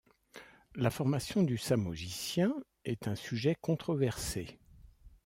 La formation du samogitien est un sujet controversé.